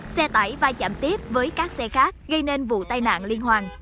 xe tải va chạm tiếp với các xe khác gây nên vụ tai nạn liên hoàn